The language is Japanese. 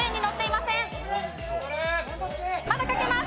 まだ書けます。